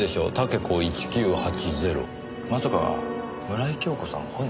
まさか村井今日子さん本人？